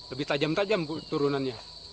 lebih tajam tajam turunannya